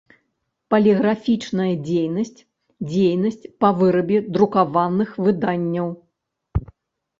Палiграфiчная дзейнасць – дзейнасць па вырабе друкаваных выданняў.